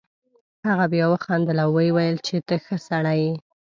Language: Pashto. هغه بیا وخندل او ویې ویل چې ته ښه سړی یې.